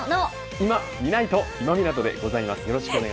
いまみないと、今湊でございます。